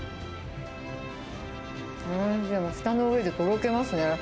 舌の上でとろけますね。